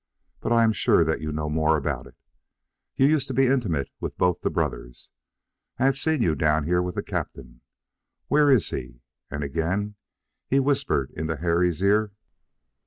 But I am sure that you know more about it. You used to be intimate with both the brothers. I have seen you down here with the captain. Where is he?" And again he whispered into Harry's ear.